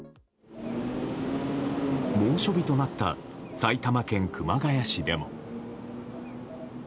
猛暑日となった埼玉県熊谷市でも。